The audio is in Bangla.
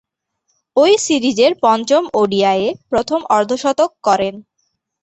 ঐ সিরিজের পঞ্চম ওডিআইয়ে প্রথম অর্ধ-শতক করেন।